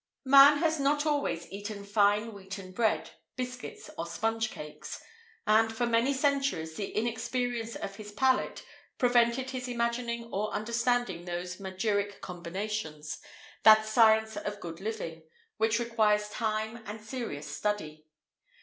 Man has not always eaten fine wheaten bread, biscuits, or sponge cakes; and, for many centuries, the inexperience of his palate prevented his imagining or understanding those magiric combinations, that science of good living,[IV 1] which requires time and serious study.